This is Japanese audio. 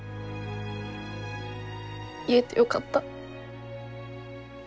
言えてよかった。